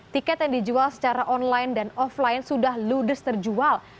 tiket yang dijual secara online dan offline sudah ludes terjual